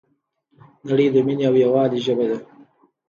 نړۍ د مینې او یووالي ژبه ده.